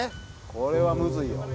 これはムズいよ。